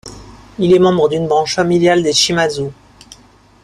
Il est membre d'une branche familiale des Shimazu.